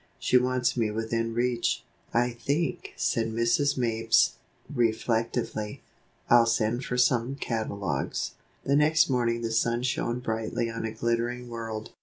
She wants me within reach." "I think," said Mrs. Mapes, reflectively, "I'll send for some catalogues." The next morning the sun shone brightly on a glittering world.